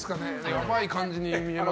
やばい感じに見えます。